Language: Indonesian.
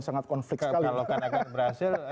sangat konflik sekali kalau kan akan berhasil